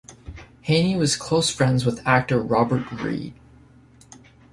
Haney was close friends with actor Robert Reed.